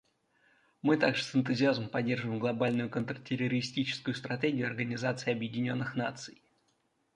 Мы также с энтузиазмом поддерживаем Глобальную контртеррористическую стратегию Организации Объединенных Наций.